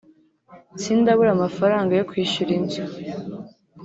sindabura amafaranga yo kwishyura inzu